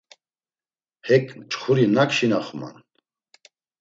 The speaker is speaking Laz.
Hek mçxuri nak şinaxuman?